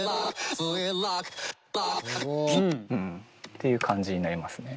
っていう感じになりますね。